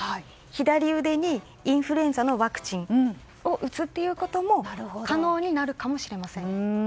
左腕にインフルエンザのワクチンを打つことも可能になるかもしれません。